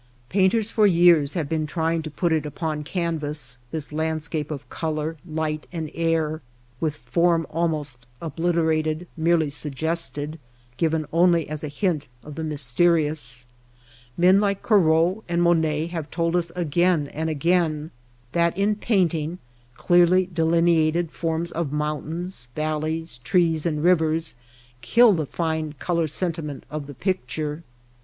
Painters for years have been trying to put it upon canvas — this landscape of color, light, and air, with form almost obliterated, merely suggested, given only as a hint of the mysterious. Men like Corot and Monet have told us, again and again, that in painting, clearly delineated forms of mountains, valleys, trees, and rivers, kill the fine color sentiment of the picture.